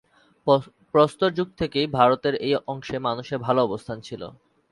প্রস্তর যুগ থেকেই ভারতের এই অংশে মানুষের ভালো অবস্থান ছিলো।